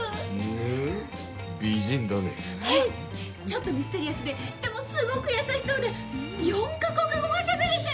ちょっとミステリアスででもすごく優しそうで４カ国語もしゃべれて！